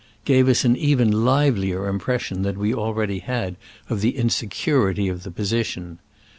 gave us an even livelier im pression than we already had of the in security of the position.